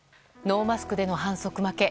ノーマスクでの反則負け。